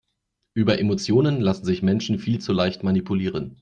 Über Emotionen lassen sich Menschen viel zu leicht manipulieren.